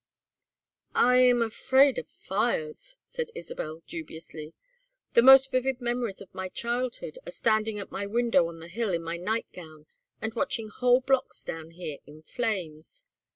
"I am afraid of fires," said Isabel, dubiously. "The most vivid memories of my childhood are standing at my window on the Hill in my night gown and watching whole blocks down here in flames.